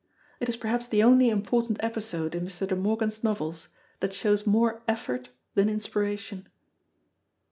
It is perhaps the only important episode in Mr. De Morgan's novels that shows more effort than inspiration.